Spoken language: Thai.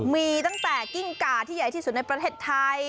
มีตั้งแต่กิ้งกาที่ใหญ่ที่สุดในประเทศไทย